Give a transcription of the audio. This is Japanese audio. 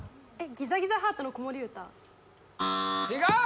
「ギザギザハートの子守唄」違う！